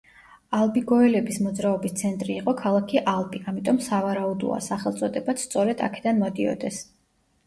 ალბიგოელების მოძრაობის ცენტრი იყო ქალაქი ალბი, ამიტომ სავარაუდოა, სახელწოდებაც სწორედ აქედან მოდიოდეს.